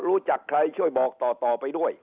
รู้จักใครช่วยบอกต่อไปด้วย